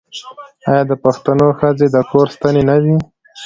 آیا د پښتنو ښځې د کور ستنې نه دي؟